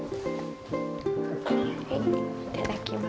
いただきます。